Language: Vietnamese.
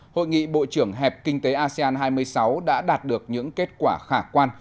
hội nghị bộ trưởng hẹp kinh tế asean hai mươi sáu đã đạt được những kết quả khả quan